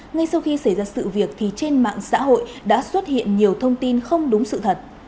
ngay sau khi xảy ra sự việc thì trên mạng xã hội đã xuất hiện nhiều thông tin không đúng sự thật